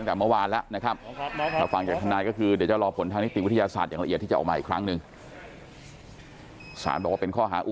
กลับมาที่อาณีตำรวจก่อนแล้วก็อาจจะขอประกันตัวใหม่รอบหนึ่งนะครับ